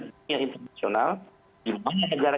dunia internasional di mana negara